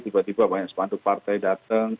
tiba tiba banyak sepanduk partai datang